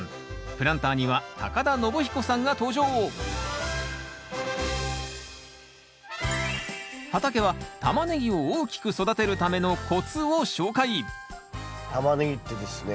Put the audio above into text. プランターには田延彦さんが登場畑はタマネギを大きく育てるためのコツを紹介タマネギってですね